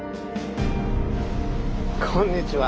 こんにちは。